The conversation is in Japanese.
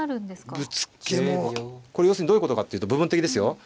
ぶつけもこれ要するにどういうことかっていうと部分的ですよ。